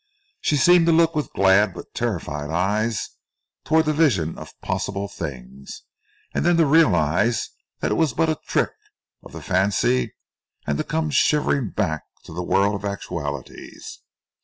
She seemed to look with glad but terrified eyes towards the vision of possible things and then to realise that it was but a trick of the fancy and to come shivering back to the world of actualities.